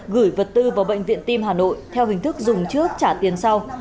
gửi vật tư vào bệnh viện tim hà nội theo hình thức dùng trước trả tiền sau